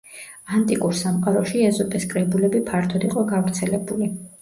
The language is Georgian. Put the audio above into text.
ანტიკურ სამყაროში ეზოპეს კრებულები ფართოდ იყო გავრცელებული.